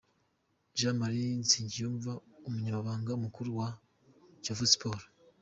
Jean Marie Nsengiyumva, umunyamabanga mukuru wa Kiyovu Sport.